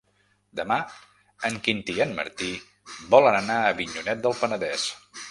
Demà en Quintí i en Martí volen anar a Avinyonet del Penedès.